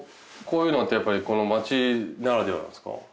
こういうのってやっぱりこの町ならではなんですか？